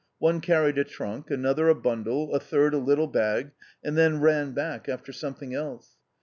One carried a trunk, another a bundle, a third a little bag, and then ran back after something else.